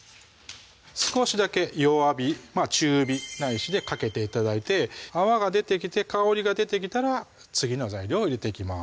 少しだけ弱火中火ないしでかけて頂いて泡が出てきて香りが出てきたら次の材料を入れていきます